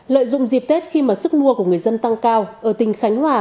lợi dụng dịp tết khi mà sức mua của người dân tăng cao ở tỉnh khánh hòa